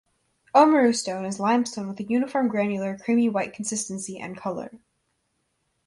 Oamaru stone is limestone with a uniform granular creamy white consistency and colour.